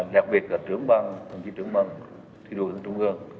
đặc biệt là thủ tướng băng thủ tướng băng thủ tướng trung ương